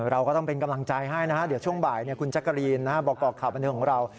เราก็ต้องเป็นกำลังใจให้นะฮะเดี๋ยวช่วงบ่ายคุณจักรีนบอกข่าวบันเทิงของเรา